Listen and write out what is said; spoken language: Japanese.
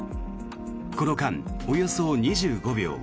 この間およそ２５秒。